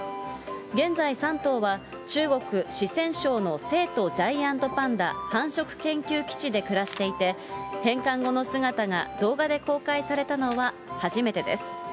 現在、３頭は中国・四川省の成都ジャイアントパンダ繁殖研究基地で暮らしていて、返還後の姿が動画で公開されたのは初めてです。